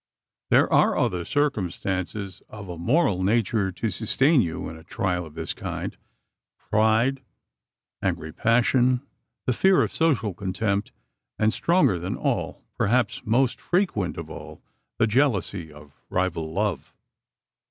There are other circumstances of a moral nature to sustain you in a trial of this kind pride, angry passion, the fear of social contempt; and, stronger than all perhaps most frequent of all the jealousy of rival love.